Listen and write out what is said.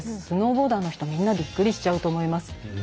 スノーボーダーの人みんなびっくりしちゃうと思います。